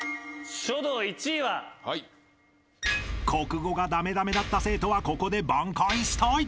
［国語が駄目駄目だった生徒はここで挽回したい］